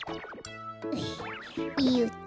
いよっと。